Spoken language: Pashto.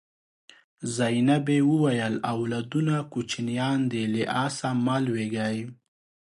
زینبې وویل اولادونه کوچنیان دي له آسه مه لوېږئ.